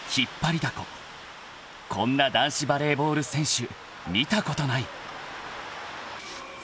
［こんな男子バレーボール選手見たことない！］